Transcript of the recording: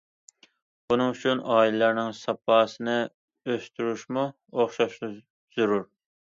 بۇنىڭ ئۈچۈن، ئائىلىلەرنىڭ ساپاسىنى ئۆستۈرۈشمۇ ئوخشاشلا زۆرۈر.